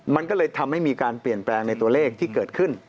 มันก็เลยทำให้มีการเปลี่ยนแปลงในตัวเลขที่เกิดขึ้น